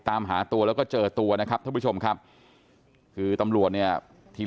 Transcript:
ตามหาตัวแล้วก็เจอตัวนะครับท่านผู้ชมครับคือตำรวจเนี่ยที่